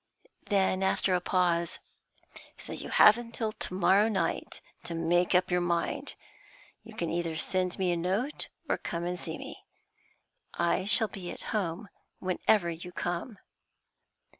Then, after a pause 'So you have till to morrow night to make up your mind. You can either send me a note or come and see me; I shall be at home whenever you come.'